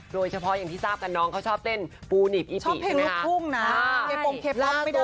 โดยเฉพาะอย่างที่ทราบกันน้องเขาชอบเต้นปูหนีบอีบิใช่ไหมค่ะชอบเพลงรุงน้ะ